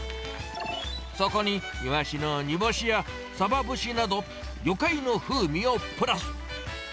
そこにイワシの煮干しやサバ節など、魚介の風味をプラス。